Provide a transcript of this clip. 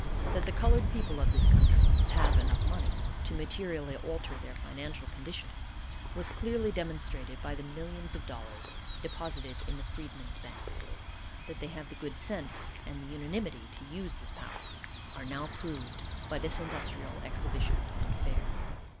That the colored people of this country have enough money to materially alter their financial condition, was clearly demonstrated by the millions of dollars deposited in the Freedmen's Bank; that they have the good sense, and the unanimity to use this power, are now proved by this industrial exhibition and fair.